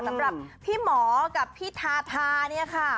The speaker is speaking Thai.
สำหรับพี่หมอกับพี่ทาทาเนี่ยค่ะ